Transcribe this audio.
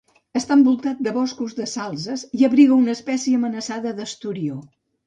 Està envoltat de boscos de salzes i abriga una espècie amenaçada d'esturió.